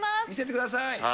見せてください。